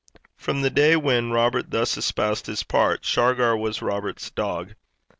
From the day when Robert thus espoused his part, Shargar was Robert's dog.